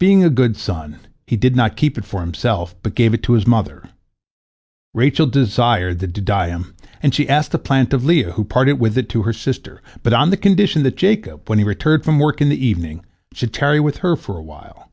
Being a good son, he did not keep it for himself, but gave it to his mother. Rachel desired the dudaim, and she asked the plant of Leah, who parted with it to her sister, but on the condition that Jacob, when he returned from work in the evening, should tarry with her for a while.